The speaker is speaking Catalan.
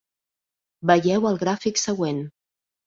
Veieu el gràfic següent: